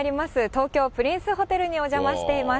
東京プリンスホテルにお邪魔しています。